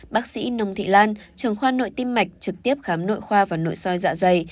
bác sĩ nông thị lan trường khoa nội tim mạch trực tiếp khám nội khoa và nội soi dạ dày